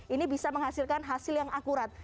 ini bisa menghasilkan hasil yang akurat